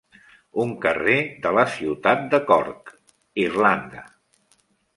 Un carrer de la ciutat de Cork, Irlanda.